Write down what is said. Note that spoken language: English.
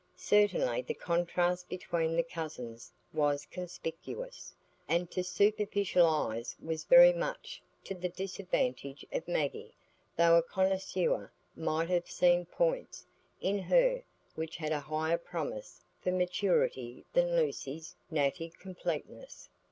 Certainly the contrast between the cousins was conspicuous, and to superficial eyes was very much to the disadvantage of Maggie though a connoisseur might have seen "points" in her which had a higher promise for maturity than Lucy's natty completeness.